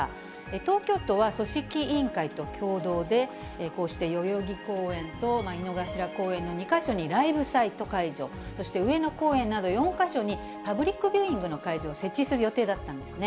東京都は組織委員会と共同で、こうして代々木公園と井の頭公園の２か所にライブサイト会場、そして上野公園など４か所にパブリックビューイングの会場を設置する予定だったんですね。